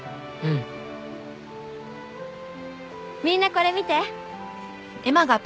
みんなこれ見て。